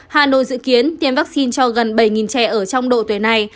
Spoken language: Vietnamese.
hà nội dự kiến tiêm vaccine cho gần bảy trẻ ở trong độ tuổi này